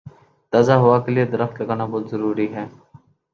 تازہ ہوا کے لیے درخت لگانا بہت ضروری ہے